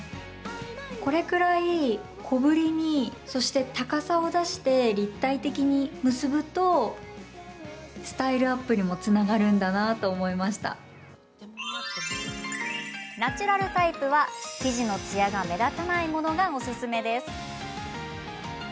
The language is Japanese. これくらい小ぶりに、そして高さを出して立体的に結ぶとナチュラルタイプは生地のつやが目立たないものがおすすめです。